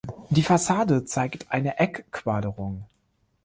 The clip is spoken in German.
Die Fassade zeigt eine Eckquaderung.